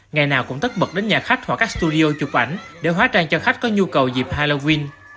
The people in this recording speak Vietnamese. ngày nào cũng tất bật đến nhà khách hoặc các studio chụp ảnh để hóa trang cho khách có nhu cầu dịp halloween